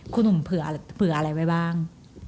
คุณหนุ่มเผื่ออะไรไว้บ้าง